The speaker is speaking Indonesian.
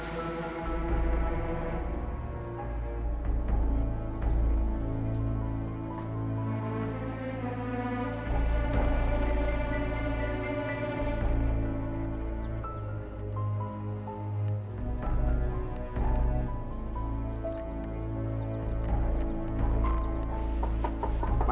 semoga semuanya baik